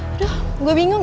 lagi orang itu baru lo kenal